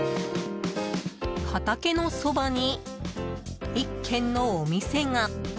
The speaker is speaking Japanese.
畑のそばに１軒のお店が。